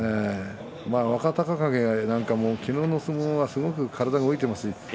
若隆景は昨日の相撲はすごく体が動いています。